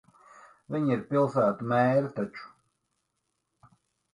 Viņi ir pilsētu mēri taču.